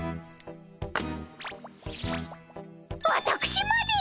わたくしまで！